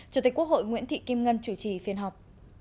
chủ tịch quốc hội nguyễn thị kim ngân chủ trì phiên họp